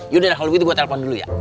yaudah kalau begitu gue telepon dulu ya